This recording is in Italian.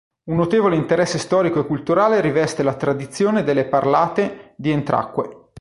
Un notevole interesse storico e culturale riveste la tradizione delle "parlate" di Entracque.